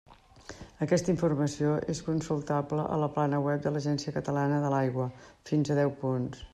Aquesta informació és consultable a la plana web de l'Agència Catalana de l'Aigua: fins a deu punts.